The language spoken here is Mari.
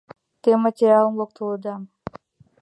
Те материалым локтылыда.